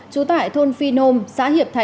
trú tại thôn phi nôm xã hiệp thái